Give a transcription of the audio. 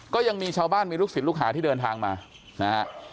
ก็ยังมีชาวบ้านมีลูกศิษย์ลูกหาที่เดินทางมานะฮะ